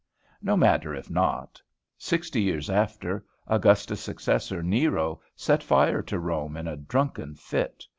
No matter if not. Sixty years after, Augustus' successor, Nero, set fire to Rome in a drunken fit.